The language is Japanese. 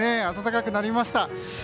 暖かくなりました。